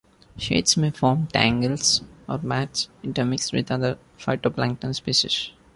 Sheaths may form tangles or mats, intermixed with other phytoplankton species.